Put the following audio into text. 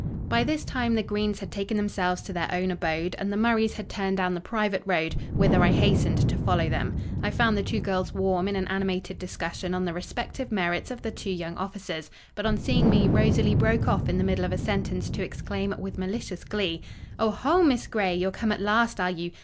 By this time the Greens had taken themselves to their own abode, and the Murrays had turned down the private road, whither I hastened to follow them. I found the two girls warm in an animated discussion on the respective merits of the two young officers; but on seeing me Rosalie broke off in the middle of a sentence to exclaim, with malicious glee— "Oh ho, Miss Grey! you're come at last, are you?